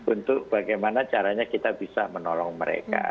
untuk bagaimana caranya kita bisa menolong mereka